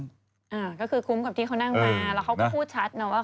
อ่าก็คือคุ้มกับที่เขานั่งมาแล้วเขาก็พูดชัดนะว่า